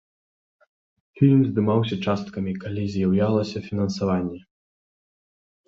Фільм здымаўся часткамі, калі з'яўлялася фінансаванне.